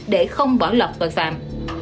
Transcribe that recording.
để không bỏ lọc tội phạm